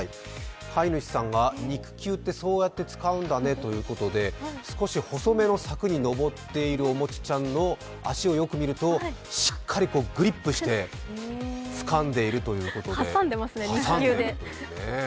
飼い主さんが肉球ってそうやって使うんだねということで少し細めの柵に上っているおもちちゃんの足をよく見るとしっかりとグリップしてつかんでいるということで挟んでいるというね。